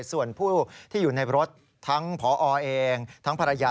ส่วนผู้ที่อยู่ในรถทั้งผอเองทั้งภรรยา